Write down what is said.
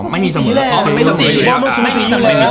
ไม่มีสมัย